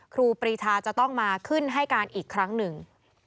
ครูปรีชาจะต้องมาขึ้นให้การอีกครั้งหนึ่ง